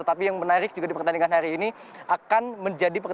tapi yang menarik adalah yang terakhir